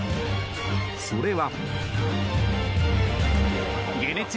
それは。